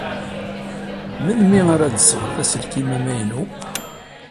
Melmi ara d-tesɣed aselkim amaynu?